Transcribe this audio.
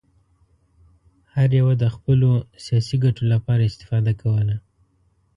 هر یوه د خپلو سیاسي ګټو لپاره استفاده کوله.